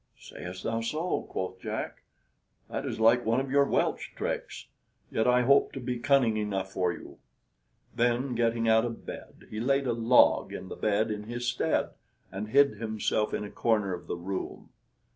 "Say'st thou so," quoth Jack; "that is like one of your Welsh tricks, yet I hope to be cunning enough for you." Then, getting out of bed, he laid a log in the bed in his stead, and hid himself in a corner of the room.